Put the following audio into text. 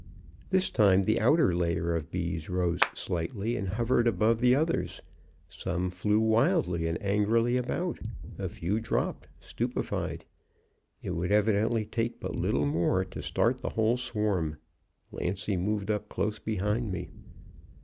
"This time the outer layer of bees rose slightly and hovered over the others. Some flew wildly and angrily about. A few dropped, stupefied. It would evidently take but little more to start the whole swarm. Lancy moved up close behind me.